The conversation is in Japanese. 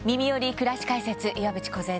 くらし解説」岩渕梢です。